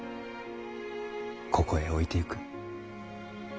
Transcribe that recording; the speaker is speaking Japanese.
ここへ置いてゆく。